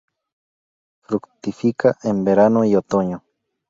Fructifica en verano y otoño.